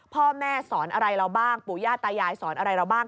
พ่อแม่สอนอะไรเราบ้างปู่ย่าตายายสอนอะไรเราบ้าง